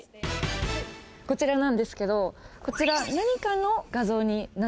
こちらなんですけどこちら何かの画像になってます。